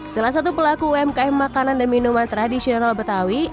salah satu pelaku umkm makanan dan minuman tradisional betawi